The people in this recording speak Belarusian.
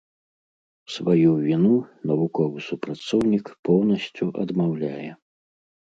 Сваю віну навуковы супрацоўнік поўнасцю адмаўляе.